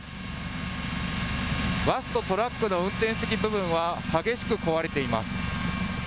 バスとトラックの運転席部分は激しく壊れています。